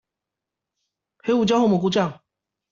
黑胡椒或蘑菇醬